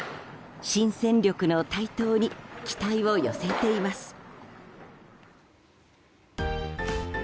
新戦力の台頭に期待を寄せています。